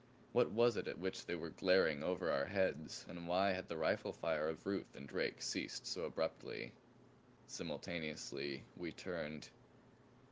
What was it at which they were glaring over our heads? And why had the rifle fire of Ruth and Drake ceased so abruptly? Simultaneously we turned.